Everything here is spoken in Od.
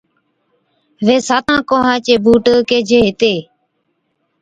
وي ساتان ڪوهان چي بُوٽ ڪيهجي هِتي۔